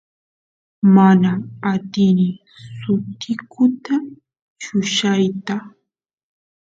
mana atini sutikuta yuyayta